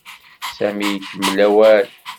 Sami ikemmel awal.